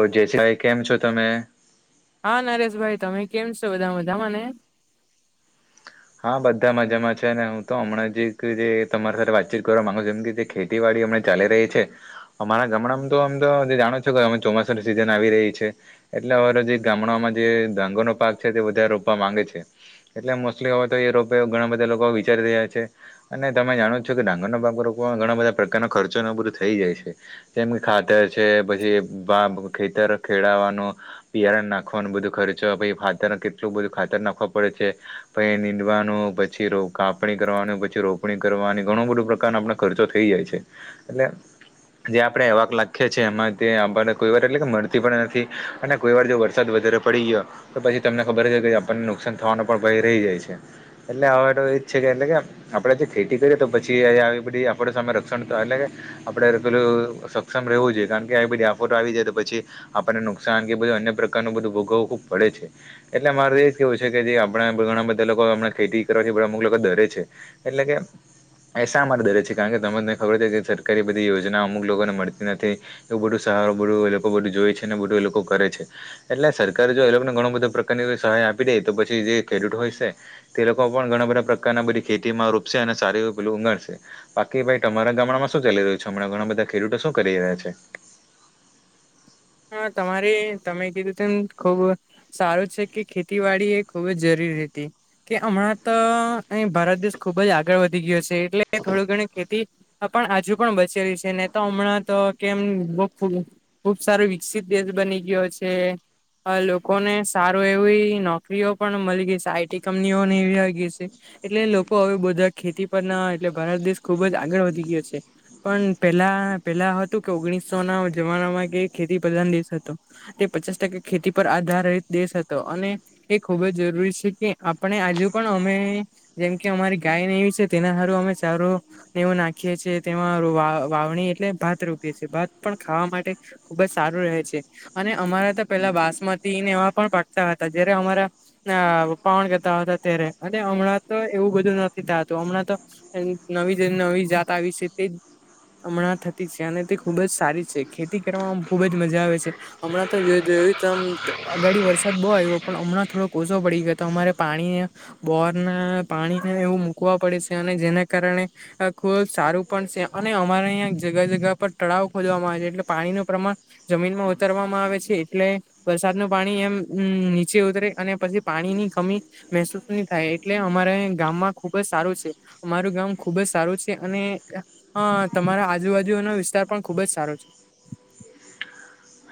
ઓર જેસીભાઈ કેમ છો તમે હા નરેશ ભાઈ તમે કેમ છો બધા મજા માને હા બધા મજામાં છે ને હું તો હમણાં જ એક જે તમારી સાથે વાતચીત કરવા માંગુ છું એમ કે ખેતીવાડી હમના ચાલી રહી છે અમારા ગામડામાં તો આમ તો જે જાણો છો કે અમે ચોમાસાની સિઝન આવી રહી છે એટલે અમારો જે ગામડામાં જે ડાંગર નો પાક છે તે વધારે રોપવા માંગે છે એટલે એટલે હવે તો રોકાયો ઘણા બધા લોકો વિચારી રહ્યા છે. અને તમે જાણો છો કે ડાંગરનો પાકો રોપવામાં ઘણા બધા પ્રકારનો ખર્ચોને આ બધું થઈ જાય છે. જેમ કે ખાતર છે પછી પાકનું ખેતર ખેડવાનો બીયારણ નાખવાનું બધું ખર્ચો પાહિ ખાતર કેટલું બધું ખાતર નાખવા પડે છે. પછી નીંદવાનું પછી કાપણી કરવાનું પછી રોપણી કરવાની ઘણું બધું પ્રકાર આપ ખર્ચો થઈ જાય છે એટલે જે આપણે આવાક નાખીએ એમાંથી આપને કોઈ વાર એટલે કે મળતી પણ નથી અને કોઈ વાર જો વરસાદ વધારે પડી ગયો તો પછી તમને ખબર છે કે આપણને નુકસાન થવાનું પણ ભય થઈ જાય છે એટલે હવે તો એ જ છે કે એટલે કે આપડે જે ખેતી કરીએ તો પછી આવી બધી આપડ સામે રક્ષણ તો આલે આપડે પેલું સક્ષમ રહેવું જોઈએ કારણ કે આ બધી આફોતો આવી જાય તો પછી આપણને નુકસાન કે બધું અન્ય પ્રકારનું બધું ભોગવું ખુબ પડે છે એટલે મારે એજ કેવું છે કે જે આપણે ઘણા બધા લોકો હમણાં ખેતી કરવાથી અમુક લોકો ડરે છે એટલે કે એ શા માટે ડરે છે કારણ કે તમ તને ખબર કે સરકારી બધી યોજના અમુક લોકોને મળતી નથી એવું બધું સારું બધું એ લોકો બધું જોય છે ને બધું એ લોકો કરે છે. એટલે સરકારે જો એ લોકોને ઘણો બધો પ્રકારની સહાય આપી દે તો પછી જે ખેડૂત હોય છે. તે લોકો પણ ઘણા બધા પ્રકારના બધી ખેતીમાં રોપશે અને સારી એવુ પેલું ઊગાડશે. બાકી ભાઈ તમારા ગામડામાં શું ચલી રહ્યું છે હણાં ઘણા બધા ખેડૂતો શું કરી રહ્યા છે હા તમારે તમે કીધું તમ ખુબ સારું છે કે ખેતીવાડી એ ખૂબ જ જરૂરી હતી કે હમણાં તો અહી ભારત દેશ ખુબ જ આગળ વધી ગયો છે એટલે થોડું ઘણી ખેતી હમણાં પણ હજુ પણ બચેલી છે ને તો હમણાં તો કેમ બઉ સારો વિકસિત દેશ બની ગયો છે. અ લોકોને સારું એવી નોકરીઓ પણ મળી ગઈ છે આઈટી કંપનીઓને એવી આવી ગઈ છે. એટલે લોકો હવે બધા ખેતી પર ના એટલે ભારત દેશ ખુબ જ આગળ વધી ગયો છે. પણ પેલા પેલા હતું કે ઓગણીસો ના જમાનામાં કે એ ખેતી પ્રધાન દેશ હતો તે પચાસ ટકા ખેતી પર આધારિત દેશ હતો અને એ ખૂબ જ જરૂરી સે કે આપણે આજુ પણ અમે જેમ કે અમારી ગાયને એવી સે તેના હારું અમે ચારો એવું નાખીએ છીએ તેમાં વાવણી એટલે ભાત રોપીએ છે ભાત પણ ખાવા માટે ખુબ જ સારું રહે છે અને અમારા તો પેલા બાસમતીને એ પણ પાકતા હતા જયારે અમારા ના પપ્પા વણ કરતા હતા ત્યારે અને હમણાં તો એવું બધું નથી થાતું હમણાં તો નવી જ નવી જાત આવી સે તે અમણાં થતી સે અને તે ખુબ જ સારી છે ખેતી કરવામાં ખુબ જ મજા આવે છે. અમણાં તો જો જોયુ તો આમ અગાડી વરસાદ બો આવ્યો પણ અમણાં થોડો ઓસો પડી ગયો તો અમારે પાણીને બોરના પાણીને એવું મૂકવા પડે સે અને જેને કારણે આ ખુબ સારું પણ સે અને અમારે અઈયા જગા જગા પર ટળાવ ખોદવામાં આવે છે એટલે પાણીનું પ્રમાણ જમીનમાં ઉતારવામાં આવે છે એટલે વરસાદનું પાણી એમ નીચે ઉતરે અને પછી પાણીની કમી મહેસૂસ ની થાય એટલે અમારે ગામમાં ખુબ જ સારું છે. મારું ગામ ખુબ જ સારું છે અને હં તમારા આજુબાજુઓનો વિસ્તાર પણ ખુબ જ સારો છે.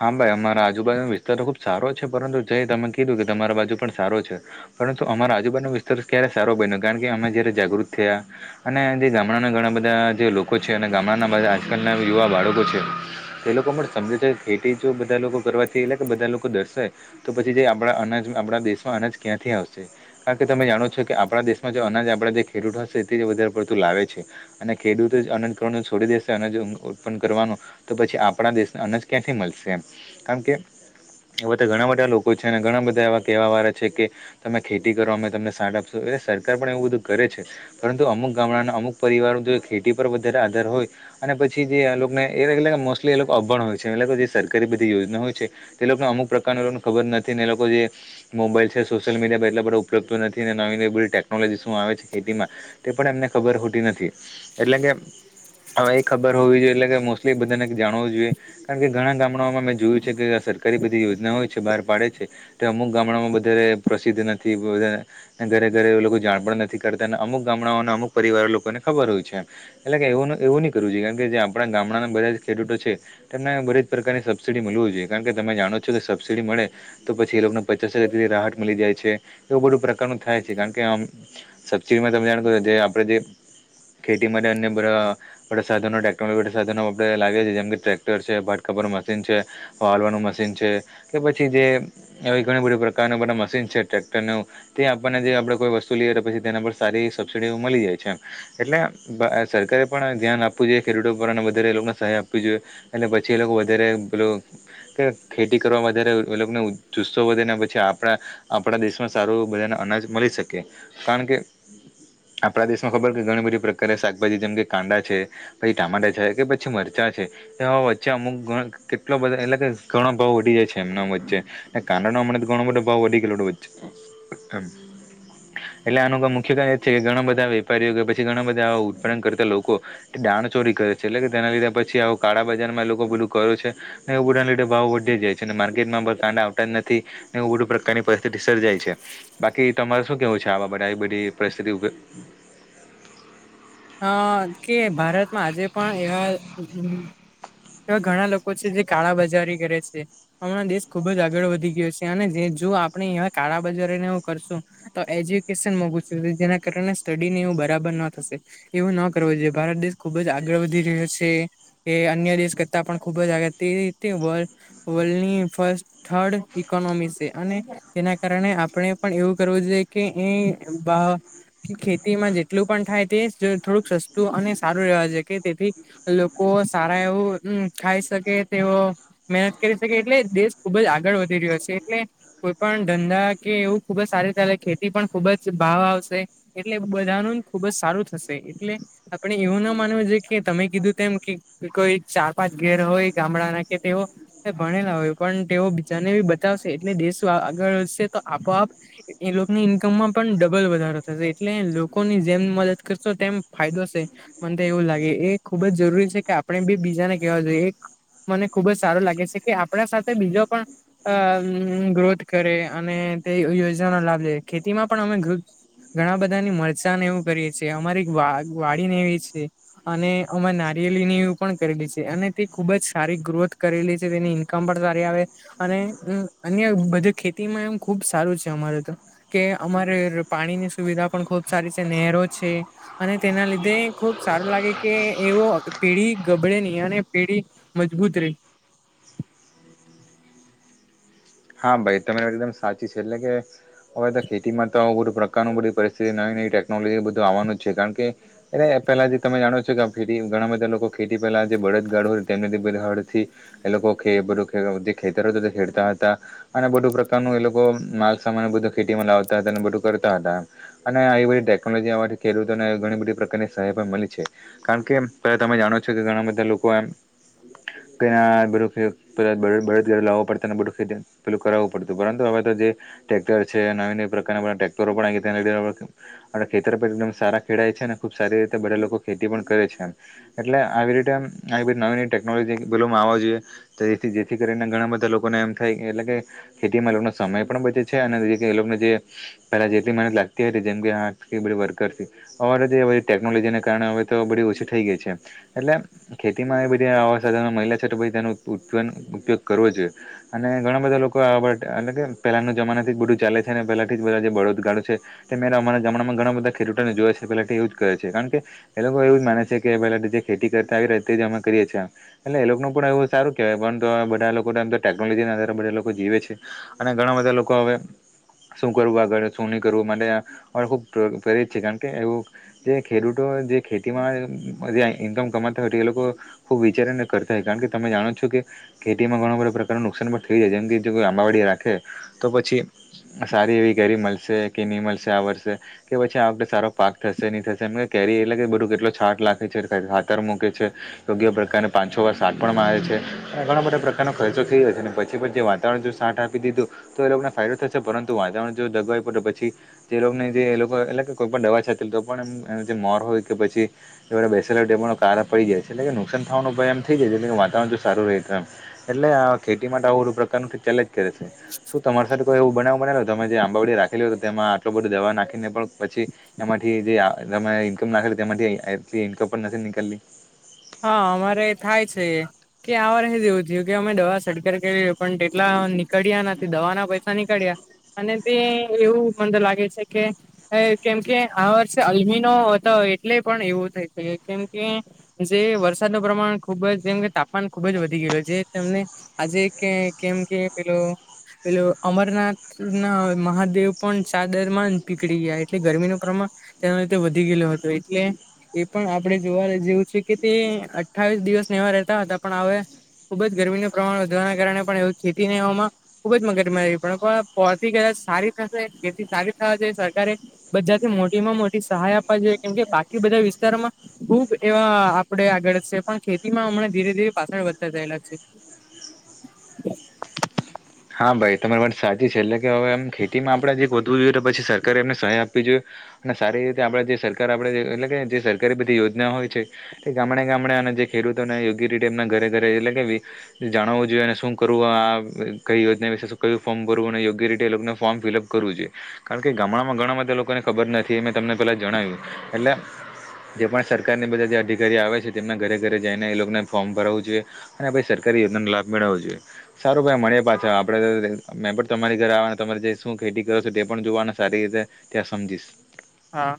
હા ભાઈ અમારા આજુબાજુનો વિસ્તાર ખુબ સારો છે પરંતુ જય તમે કીધું કે તમારા બાજુ પણ સારો છે. પરંતુ અમારા આજુબાજુનો વિસ્તાર ક્યારે સારો બયનો કારણ કે અમે જયારે જાગૃત થયા અને જે ગામડાના ઘણા બધા જે લોકો છે અને ગામડાના બધા આજકાલના યુવા બાળકો છે. એ લોકો પણ સમજે છે ખેતી જો બધા લોકો કરવાથી એટલે કે બધા લોકો દર્શાય તો પછી જે આપડા અનાજ આપણા દેશમાં અનાજ ક્યાંથી આવશે કારણ કે તમે જાણો છો કે આપડા દેશમાં જો અનાજ આપડા જે ખેડૂતો હશે તે જ વધારે પડતું લાવે છે. અને ખેડૂતો જ અનજ કરવાનું છોડી દેશે અનજ ઉત્પન્ન કરવાનુ, તો પછી આપડા દેશને અનજ ક્યાંથી મલશે એમ કાણ કે હવે તો ઘણા બધા લોકો છે અને ઘણા બધા એવા કેહવા વારા છે કે તમે ખેતી કરો અમે તમને સાઠ આપશુ એટલે સરકાર પણ એવું બધું કરે છે. પરંતુ અમુક ગામડાના અમુક પરિવારો તો એ ખેતી પર વધારે આધાર હોય અને પછી જે આ લોકને એરે એટલે કે મોસ્ટલી એ લોકો અભણ હોય છે એટલે બધી સરકારી બધી યોજના હોય છે તે લોકોને અમુક પ્રકારને એ લોકને ખબર નથી ને એ લોકો જે મોબાઈલ છે સોશિયલ મીડિયા પણ એટલો બધો ઉપયોગ તો નથી ને નવી-નવી બધી ટેકનોલોજી શું આવે છે ખેતીમાં ટે પણ એમને ખબર હોટી નથી એટલે કે અવે એ ખબર હોવી જોઈએ એટલે કે મોસ્ટલી બધાને જાણવું જોઈએ કારણ કે ઘણા ગામડાઓમાં મેં જોયું છે કે આ સરકારી બધી યોજનાઓ છે બાર પાડે છે. તે અમુક ગામડામાં વધારે પ્રસિદ્ધ નથી, વધારે ઘરે-ઘરે એ લોકો જાણ પણ નથી કરતા અને અમુક ગામડાઓ અને અમુક પરિવાર લોકોને ખબર હોય છે. એટલે કે એવુ ન એવું ની કરવું જોએ કારણ કે જે આપણા ગામડાના બધા જ ખેડૂતો છે. તેમને બધાજ પ્રકારની સબસીડી મલવુ જોઈએ કારણ કે તમે જાણો છો કે સબસિડી મળે તો પછી એ લોકોને પચાસ હજાર [unintelligible] રાહત મલી જાય છે એવું બધું પ્રકારનું થાય છે કારણ કે આમ સબ- સિડીમાં તમે જાણો [unintelligible] જે આપણે જે ખેટી માટે અન્ય બઢા બઢા સાધનો ટેકનોલોજી સાધનો આપડે લાગે છે જેમ કે ટ્રેક ટર છે ભાત કાપવાનું મશીન છે વાવલવાનું મશીન છે કે પછી જે એવી ઘણી બઢી પ્રકારની બઢા મશીન છે ટ્રેક્ટર ને એવું તે આપણને જે આપડે કોઈ વસ્તુ લીએ તો પછી તેના પર સારી એવી સબસીડી મલી જાય છે એમ એટલે બ અ સરકારે પણ ધ્યાન આપવું જોઈએ ખેડૂટો પર અને વધારે એ લોકોને સહાય આપવી જોઈએ, અને પછી એ લોકો વધારે પેલું. કે ખેતી કરવા વધારે એ લોકોને જુસ્સો વધે ને પછી આપણા. આપણા દેશમાં સારું બધાને અનાજ મળી શકે, કારણ કે. આપણા દેશમાં ખબર કે, ઘણી બધી પ્રકારે શાકભાજી જેમ કે કાંડા છે. પછી ટામેટાં છે કે પછી મરચાં છે. એવામાં વચ્ચે અમુક ઘ કેટલો બધો એટલે કે, ઘણો ભાવ વધી જાય છે એમના વચ્ચે. ને કાંડાનો અમણાતો ઘણો બધો ભાવ વધી ગેલો વચ્ચે, એમ. એટલે આનું મુખ્ય કારણ એ જ છે કે, ઘણા બધા વેપારીઓ કે પછી ઘણા બધા ઉત્પાન્ન કરતા લોકો. દાણચોરી કરે છે એટલે કે, તેના લીધા પછી આવ કાળા બજારમાં એ લોકો બધું કરે છે. એવ બુધા લીધે ભાવ વધી જાય છે ને, માર્કેટમાં પણ કાંડા આવતા જ નથી. ને એવું બધું પ્રકારની પરિસ્થિતિ સર્જાય છે. બાકી તમારે શું કેવું છે, આવા-બધા-બધી પરિસ્થિતિ ઉપર. હ કે, ભારતમાં આજે પણ એવા. એવા ઘણા લોકો છે જે કાળા બજારી કરે છે. હમણાં દેશ ખુબ જ આગળ વધી ગયો છે, અને જે-જો આપણે એવા કાળા બજારીને એવું કરશું. તો એજ્યુકેશન મોગુ છે, જેના કારણે સ્ટડી ને એવું બરાબર ન થાય. એવું ન કરવું જોઈએ, ભારત દેશ ખુબ જ આગળ વધી રહ્યો છે. એ અન્ય દેશ કરતા પણ ખુબ જ આગ, તે-તે વ-વર્લ્ડની ફ. થર્ડ ઈકોનોમી છે, અને તેના કારણે આપણે પણ એવું કરવું જોઈએ કે એ બા. કી ખેતીમાં જેટલું પણ થાય તે થોડુંક સસ્તું અને સારું રહેવા જોઈએ કે તેથી. લોકો સારા એવું ઉમ ખાઈ શકે તેવો. મહેનત કરી છે એટલે, દેશ ખુબ જ આગળ વધી રહ્યો છે એટલે. કોઈ પણ ધંધા કે એવું ખુબ જ [unintelligible] ખેતી પણ ખુબ જ ભાવ આવશે. એટલે બધાનુંનું ખુબ જ સારું થશે, એટલે. આપણે એવું ના માનવું જોઈએ કે, તમે કીધું તેમ. કોઈ ચાર પાંચ ઘેર હોય ગામડાના કે તેહો. ભણેલા હોય પણ તેઓ બીજાને બી બતાવશે, એટલે દેશો આગળ વધશે તો આપોઆપ. એ લોકની ઈન્કમમાં પણ ડબલ વધારો થશે, એટલે લોકોની જેમ મદદ કર. શો, તેમ ફાયદો છે. મને તો એવું લાગે એ ખુબ જ જરૂરી છે કે, આપણે બી બીજાને કેવા જોઈએ એક. મને ખુબ જ સારું લાગે છે કે, આપણા સાથે બીજો પણ. અ ગ્રોથ કરે અને તે યોજનાનો લાભ લે, ખેતીમાં પણ અમે ગો. ઘણા બધાની મરચાને એવું કરીએ છીએ, અમારી વા વાડીને એવી છે. અને અમાર નારિયેલીની એવી પણ કરેલી છે, અને તે ખુબ જ સારી ગ્રોથ કરેલી છે તેની. [unintelligible] તારી આવે અને અન્ય બધી ખેતીમાં એમ ખુબ સારું છે અમારે તો. કે અમારે પાણીની સુવિધા પણ ખુબ સારી છે નહેરો છે. અને તેના લીધે ખુબ સારું લાગે કે એવો પેઢી ગબડે નહી અને પેઢી. મજબૂત. હા ભાઈ તમે એકદમ સાચી છે, એટલે કે. હવે તો ખેતીમાં તો બધું પ્રકારનું બધી પરિસ્થિતિ નવી નવી ટેકનોલોજી બધું આવવાનું જ છે, કારણ કે. એટલે પેલા જે તમે જાણો જ છો કે, ખેતી ઘણા બધા લોકો ખેતી પહેલા જે બળદગાડો હોય તેમને તે હડથી. એ લોકો ખે બધું ખેતર હતું તે ખેડતા હતા. અને બધું પ્રકારનું એ લોકો માલ સામાન બધું ખેતીમાં લાવતા હતા અને બધું કરતા હતા. અને આવી બધી ટેકનોલોજી આવવાથી ખેડૂતોને ઘણી બધી પ્રકારની સહાય પણ મળી છે. કારણ કે પેલા તમે જાણો જ છો કે, ઘણા બધા લોકો એમ. ત્યાં બધું એવું બળદ બળદગાડું લાવું પડતું ને બધુ ત્યાં પેલું કરાવવું પડતું પરંતુ હવે તો જે ટ્રેક્ટર છે નવી નવી પ્રકારના ટ્રેક્ટરો પણ તેના લીધે અને ખેતર પર એકદમ સારા ખેડાય છે અને ખુબ સારી રીતે બધા લોકો ખેતી પણ કરે છે. એટલે આવી રીતે આમ આવી બધી નવી નવી ટેકનોલોજી બધું આમ આવું જોઈએ. તો એથી જેથી કરીને ઘણા બધા લોકોને એમ થાય. એટલે કે ખેતી માં લોકોનો સમય પણ બચે છે અને એ લોકોને જે પેલા જેટલી મહેનત લાગતી હતી જેમ કે આ બધી વર્કર છે. હવારે જે હોય તે ટેકનોલોજીને કારણે હવે તો બધી ઓછી થઈ ગઈ છે એમ એટલે એમ ખેતીમાં એ બધા આવા સાધનો મલે છે તો પછી તેનો ઉપ ઉપયોગ કરવો જોઈએ. અને ઘણા બધા લોકો આ બટ એટલે કે પહેલાંનું જમાનાથી જ બધું ચાલે છે ને પહેલાંથી જ બધા જે બળદગાડું છે તે મેરા અમારા જમાણામાં ઘણા બધા ખેડૂતોને જોયા છે પેલાથી એવું જ કરે છે કારણ કે, એ લોકો એવું જ માને છે કે પહેલા જે ખેતી કરતા આવી રા તે જ અમે કરીએ છીએ આમ એટલે એ લોકો નું પણ એવું સારું કેવાય પરંતુ બધા લોકો તેમ [unintelligible] જતા રે ટેકનોલોજી ના આધારે બધા લોકો જીવે છે અને ઘણા બધા લોકો હવે શું કરવું આગળ શું નહી કરવું મારે અરે ખૂબ પ્રેરિત છે કારણ કે એવું જે ખેડૂતો જે ખેતીમાં જે ઈન્કમ કમાતા હોય તો એ લોકો ખુબ વિચારીને કરતા હોય કારણ કે તમે જાણો છો કે ખેતીમાં ઘણા બધા પ્રકાર તેનું નુકસાન પણ થઈ જાય જેમ કે જો કોઈ આંબાવાડી રાખે તો પછી સારી એવી ઘરી મળશે કે નહી મળશે આ વર્ષે કે પછી આ વખતે સારો પાક થશે નહી થશે એમ કે કેરી એટલે કે બધું કેટલો છાટ લાગે છે ખાતર મૂકે છે. યોગ્ય પ્રકારે પાંચ છ વાર સાટ પણમાં આવે છે અને ઘણા બધો પ્રકારનો ખર્ચો થઈ વધારે પછી પણ જે વાતાવરણ જો સાથ આપી દીધું. તો એ લોકોને ફાયદો થશે પરંતુ વાતાવણ જો દબાય પડે તો પછી જે લોકોને જે એ લોકો એટલે કે કોઈ પણ દવા છાટી તો પણ એમ જે મોર હોય કે પછી સવારે બેસેલા ટેપો કારા પડી જાય એટલે નુકસાન થવાનું પણ એમ થઈ જાય એટલે વાતાવરણ સારું રહે છે એમ એટલે આ ખેતી માટે આવું બધું પ્રકારનું ચેલેન્જ કરે છે શું તમારી સાથે કોઈ એવું બનાવ બનેલો છે. તમે જે આંબાાવડી રાખેલી તો તેમાં આટલું બધું દવા નાખીને પણ પછી એમાંથી એ જે આ તમે ઇન્મકમ નાખેલી તેમાંથી એટલી ઇન્કમ પણ નથી નીકળલી હા અમારે થાય છે એ કે આ વાર હ જ એવું થયું કે, અમે દવા સડગ કરી પણ તેટલા નીકળ્યા નથી દવાના પૈસા નીકળ્યા. અને તે એવું મને લાગે છે કે હ, કેમકે આ વર્ષે અલમીનો હતો એટલે પણ એવું થઈ શકે કેમકે જે વરસાદનું પ્રમાણ ખુબ જ જેમ કે તાપમાન ખુબ જ વધી ગયેલું છે, જે તમને આજે કે કેમ કે પેલો પેલું અમરનાથના મહાદેવ પણ ચાદરમાં જ પીકળી ગયા એટલે ગરમીનું પ્રમાણ તેના રીતે વધી ગયેલો હતો એટલે એ પણ આપણે જોવા જેવું છે. કે તે અઠ્ઠાવીસ દિવસને એવા રહેતા હતા પણ હવે ખુબ જ ગરમીનું પ્રમાણ વધવાના કારણે પણ એવું ખેતી વામાં ખુબ જ મગજમાં પણ પહતી ગયા. કદાચ સારી થશે, જેથી સારી થવા જોઈ સરકારે બધાથી મોટી માં મોટી સહાય આપવા જોઈએ. કેમકે બાકી બધા વિસ્તારોમાં ખુબ એવા આપણે આગળ છે પણ ખેતીમાં હમણા ધીરે ધીરે પાછળ વધતા જયેલા છે. હા, ભાઈ તમારી વાત સાચી છે. એટલે કે હવે, આમ ખેતીમાં આપણે જે વધવું જોઈએ, તો પછી સરકારે એમને સહાય આપવી જોઈએ. અને સારી રીતે આપણે જે સરકાર આપણે એટલે કે જે સરકારી બધી યોજના હોય છે. એ ગામડે ગામડે અને જે ખેડૂતોને યોગ્ય રીતે એમના ઘરે ઘરે એટલે કે તે જાણાવું જોઈએ અને શું કરવું આ કઈ યોજના વિશે શું કયુ ફર્મ ભરવું અને યોગ્ય રીતે એ લોકોને ફર્મ ફિલ અપ કરવું જોઇએ. કારણ કે ગામડામાં ઘણા બધા લોકોને ખબર નથી એ મેં તમને પહેલા જણાવ્યું એટલે જે પણ સરકારની બધા જે અધિકારી આવે છે તેમના ઘરે ઘરે જઈને એ લોકોને ફોર્મ ભરવું જોઈએ. અને પછી સરકારી યોજનાનો લાભ મેળવવો જોઈએ, સારો ભાઈ મળીએ પાછા. અચ્છા, આપણે મેં પણ તમારી ઘરે આવાને તમારે જે શું ખેતી કરો છો તે પણ જોવાના સારી રીતે ત્યાં સમજીશ. હા.